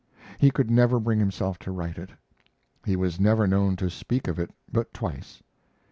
He could never bring himself to write it. He was never known to speak of it but twice.